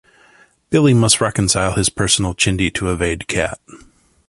Billy must reconcile his personal chindi to evade Cat.